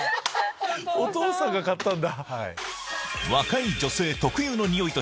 お父さんが買ったんだ。